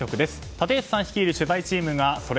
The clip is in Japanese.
立石さん率いる取材チームがソレ